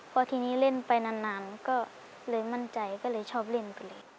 พอทีนี้เล่นไปนานก็เลยมั่นใจก็เลยชอบเล่นไปเลย